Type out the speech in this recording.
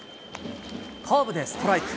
カーブでストライク。